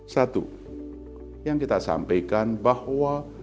satu yang kita sampaikan bahwa